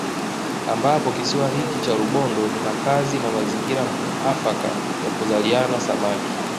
Ambapo kisiwa hiki cha Rubondo ni makazi na mazingira muafaka ya kuzaliana Samaki